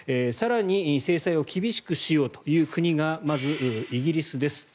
更に制裁を厳しくしようという国がまずイギリスです。